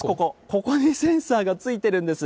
ここにセンサーが付いてるんです。